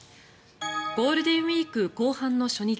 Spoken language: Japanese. ゴールデンウィーク後半の初日